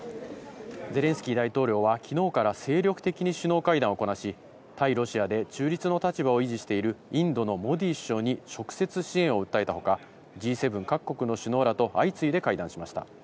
ゼレンスキー大統領はきのうから精力的に首脳会談を行い、対ロシアで中立の立場を維持しているインドのモディ首相に直接支援を訴えた他、Ｇ７各国の首脳らと相次いで会談しました。